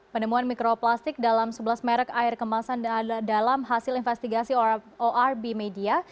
penemuan mikroplastik dalam sebelas merek air kemasan dalam hasil investigasi orb media